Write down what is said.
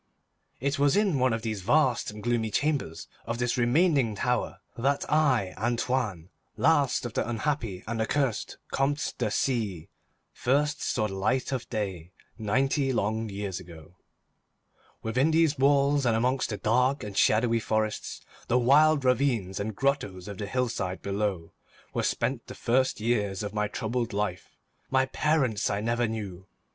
It was in one of the vast and gloomy chambers of this remaining tower that I, Antoine, last of the unhappy and accursed Comtes de C——, first saw the light of day, ninety long years ago. Within these walls, and amongst the dark and shadowy forests, the wild ravines and grottoes of the hillside below, were spent the first years of my troubled life. My parents I never knew.